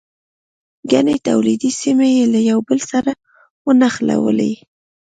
ګڼې تولیدي سیمې یې له یو بل سره ونښلولې.